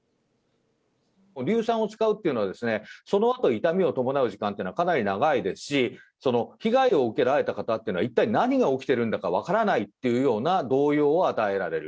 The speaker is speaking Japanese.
硫酸を使うっていうのは、そのあと痛みを伴う時間というのはかなり長いですし、被害を受けられた方っていうのは、一体何が起きてるんだか分からないというような動揺を与えられる。